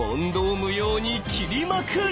無用にきりまくる！